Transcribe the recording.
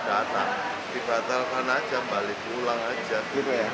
soalnya gak apa apa sih kalau misalnya tadi kan memang ada rencana buat menghenti transport yang lain